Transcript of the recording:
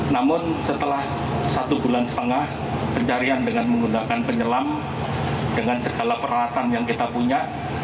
namun setelah satu bulan setengah pencarian dengan menggunakan penyelam dengan segala peralatan yang kita punya